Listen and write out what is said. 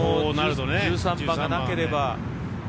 １３番がなければ。